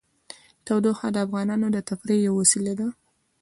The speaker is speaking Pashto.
تودوخه د افغانانو د تفریح یوه وسیله ده.